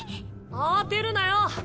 慌てるなよ。